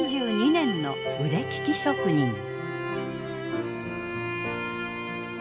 ３２年の腕利き職人。